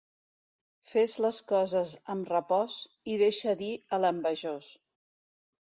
Fes les coses amb repòs i deixa dir a l'envejós.